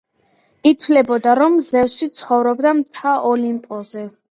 ითვლებოდა, რომ ზევსი ცხოვრობდა მთა ოლიმპოზე.